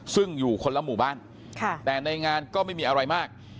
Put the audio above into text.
ซึ่งอยู่คนละหมู่บ้านแต่ในงานก็ไม่มีอะไรมาก